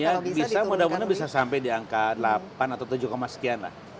ya bisa mudah mudahan bisa sampai di angka delapan atau tujuh sekian lah